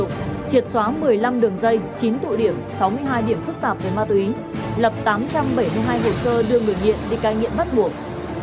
triệt xóa một mươi năm đường dây chín tụ điểm sáu mươi hai điểm phức tạp về ma túy lập tám trăm bảy mươi hai hồ sơ đưa người nghiện đi cai nghiện bắt buộc